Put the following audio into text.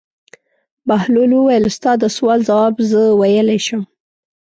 بهلول وویل: ستا د سوال ځواب زه ویلای شم.